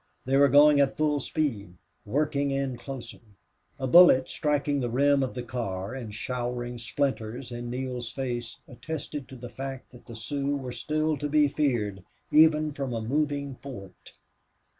They were going at full speed, working in closer. A bullet, striking the rim of the car and showering splinters in Neale's face, attested to the fact that the Sioux were still to be feared, even from a moving fort.